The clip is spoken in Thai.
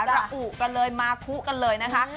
ระอุกันเลยมาคู่กันเลยนะคะ